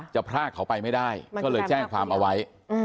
พรากเขาไปไม่ได้ก็เลยแจ้งความเอาไว้